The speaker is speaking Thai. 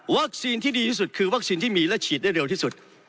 ที่ดีที่สุดคือวัคซีนที่มีและฉีดได้เร็วที่สุด